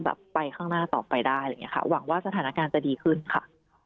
แบบไปข้างหน้าต่อไปได้หวังว่าสถานการณ์จะดีขึ้นค่ะ